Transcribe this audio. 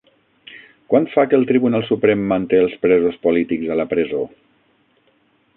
Quant fa que el Tribunal Suprem manté els presos polítics a la presó?